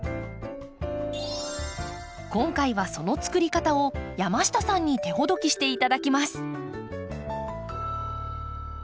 今回はそのつくり方を山下さんに手ほどきして頂きます。